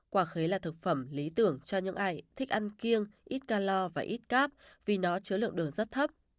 quả khấy là thực phẩm lý tưởng cho những ai thích ăn kiêng ít calor và ít cáp vì nó chứa lượng đường rất thấp